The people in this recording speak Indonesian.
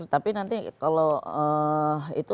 tapi nanti kalau itu